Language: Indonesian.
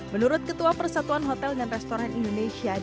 menurut ketua persatuan hotel dan restoran indonesia